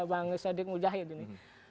bang sadiq mujahid ini